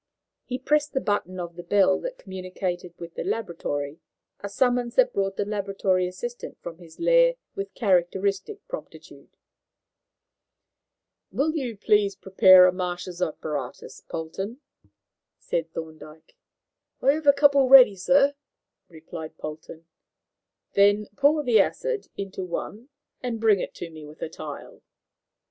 He pressed the button of the bell that communicated with the laboratory, a summons that brought the laboratory assistant from his lair with characteristic promptitude. "Will you please prepare a Marsh's apparatus, Polton," said Thorndyke. "I have a couple ready, sir," replied Polton. "Then pour the acid into one and bring it to me, with a tile."